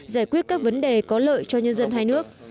giải quyết các vấn đề có lợi cho nhân dân hai nước